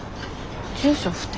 住所不定？